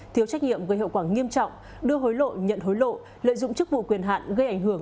thiếu trách nhiệm gây hậu quả nghiêm trọng đưa hối lộ nhận hối lộ lợi dụng chức vụ quyền hạn gây ảnh hưởng